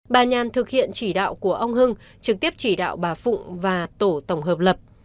bà nhàn thực hiện chỉ đạo của ông hưng trực tiếp chỉ đạo bà phụng và tổ tổng hợp lập